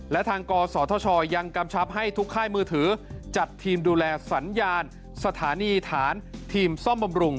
และทางกศธชยังกำชับให้ทุกค่ายมือถือจัดทีมดูแลสัญญาณสถานีฐานทีมซ่อมบำรุง